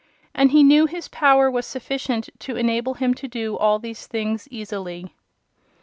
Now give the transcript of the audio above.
And he knew his power was sufficient to enable him to do all these things easily.